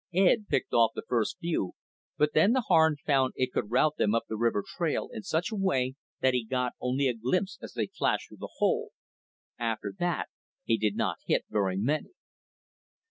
Ed picked off the first few, but then the Harn found it could route them up the river trail in such a way that he got only a glimpse as they flashed through the hole. After that he did not hit very many.